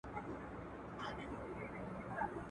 o ژرنده که د پلار ده، هم په وار ده.